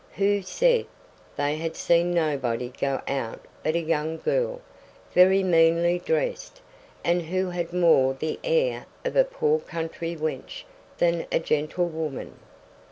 Who said: They had seen nobody go out but a young girl, very meanly dressed, and who had more the air of a poor country wench than a gentlewoman.